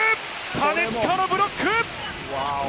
金近のブロック！